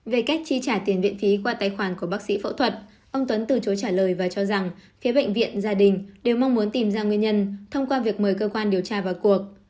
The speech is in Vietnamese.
về cách chi trả tiền viện phí qua tài khoản của bác sĩ phẫu thuật ông tuấn từ chối trả lời và cho rằng phía bệnh viện gia đình đều mong muốn tìm ra nguyên nhân thông qua việc mời cơ quan điều tra vào cuộc